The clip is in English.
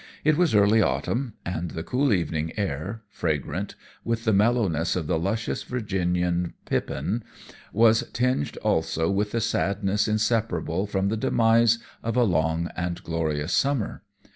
It was early autumn, and the cool evening air, fragrant with the mellowness of the luscious Virginian pippin, was tinged also with the sadness inseparable from the demise of a long and glorious summer.